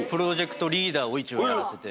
一応やらせて。